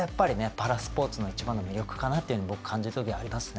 パラスポーツの一番の魅力かなっていうふうに僕感じる時ありますね。